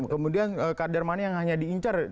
kemudian kader mana yang hanya diincar